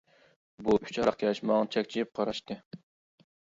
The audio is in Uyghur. بۇ ئۈچ ھاراقكەش ماڭا چەكچىيىپ قاراشتى.